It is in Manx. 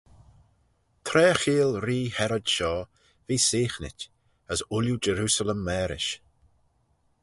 Tra cheayll ree Herod shoh, v'eh seaghnit, as ooilley Jerusalem mârish.